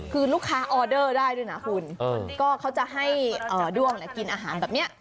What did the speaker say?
คือลูกค้าออเดอร์ได้ด้วยนะคุณก็เขาจะให้ด้วงกินอาหารแบบนี้